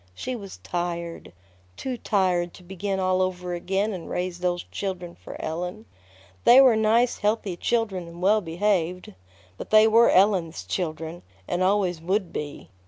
She was tired. Too tired to begin all over again and raise those children for Ellen. They were nice, healthy children and well behaved; but they were Ellen's children, and always would be.